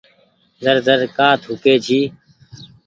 زر زر ڪآ ٿوُڪي جي۔